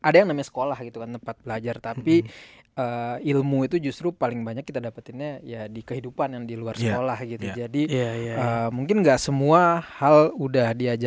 dia langsung minta dua digit